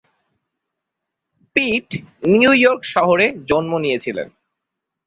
পিট New York শহরে জন্ম নিয়েছিলেন।